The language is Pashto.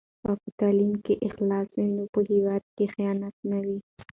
که په تعلیم کې اخلاص وي نو په هېواد کې خیانت نه وي.